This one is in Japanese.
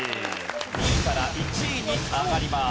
２位から１位に上がります。